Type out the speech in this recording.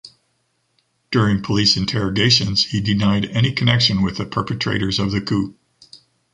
During police interrogations, he denied any connection with the perpetrators of the coup.